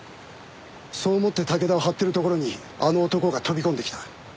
そう思って竹田を張ってるところにあの男が飛び込んできた。